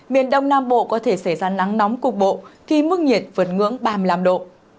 miền đông nam bộ có thể xảy ra nắng nóng cục bộ khi mức nhiệt vượt ngưỡng ba mươi năm độ